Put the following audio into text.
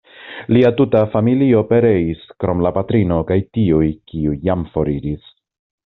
Lia tuta familio pereis krom la patrino kaj tiuj, kiuj jam foriris.